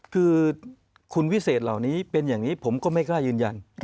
คือคุณวิเศษเหล่านี้เป็นอย่างนี้ผมก็ไม่กล้ายืนยัน